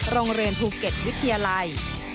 โรงเรียนภูเก็ตวิทยาลัย